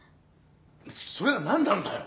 それが何なんだよ。